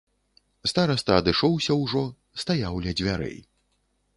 Стараста адышоўся ўжо, стаяў ля дзвярэй.